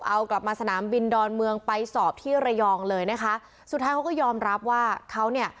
เอากลับมาสนามบินดอนเมืองไปสอบที่ระยองเลยนะคะสุดท้ายเขาก็ยอมรับว่าเขาเนี่ย